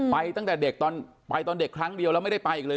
ไปตั้งแต่เด็กครั้งเดียวแล้วไม่ได้ไปเลย